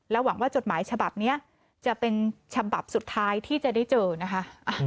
หวังว่าจดหมายฉบับนี้จะเป็นฉบับสุดท้ายที่จะได้เจอนะคะ